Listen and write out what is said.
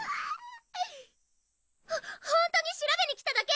ほほんとに調べに来ただけ！